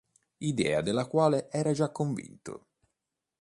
Idea della quale era già convinto.